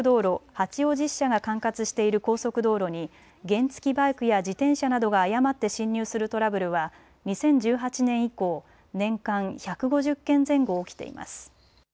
八王子支社が管轄している高速道路に原付きバイクや自転車などが誤って進入するトラブルは２０１８年以降、年間１５０件前後起きています。